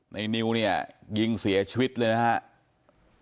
นิวเนี่ยยิงเสียชีวิตเลยนะครับ